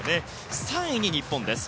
３位に日本です。